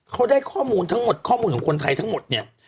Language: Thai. เขาได้ข้อมูลทั้งหมดข้อมูลของคนไทยทั้งหมดเนี่ย